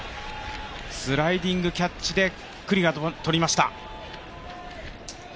スライディングキャッチで九里がとりました。